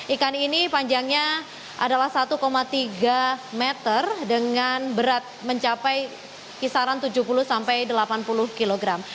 ikan ini panjangnya adalah satu tiga meter dengan berat mencapai kisaran tujuh puluh sampai delapan puluh kilogram